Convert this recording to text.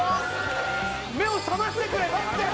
目を覚ましてくれ！頑張って！